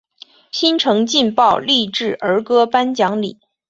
新城劲爆励志儿歌颁奖礼。